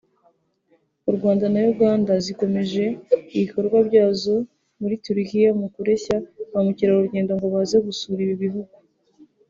u Rwanda na Uganda zikomeje ibikorwa byazo muri Turukiya mu kureshya ba mukerarugendo ngo baze gusura ibi bihugu